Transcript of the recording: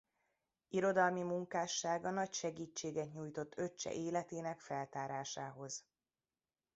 Irodalmi munkássága nagy segítséget nyújtott öccse életének feltárásához.